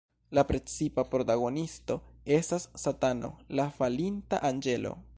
La precipa protagonisto estas Satano, la falinta anĝelo.